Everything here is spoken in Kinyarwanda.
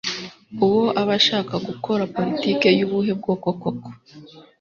Uwo aba ashaka gukora politiki y'ubuhe bwoko koko?